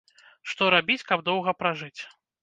Што рабіць, каб доўга пражыць?